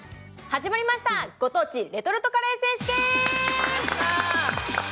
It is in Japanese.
始まりました、ご当地レトルトカレー選手権！